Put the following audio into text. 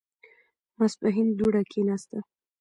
ماسپښين دوړه کېناسته.